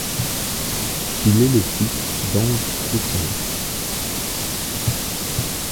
Il est le fils d'Ange Roussel.